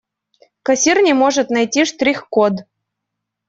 Кассир не может найти штрих-код.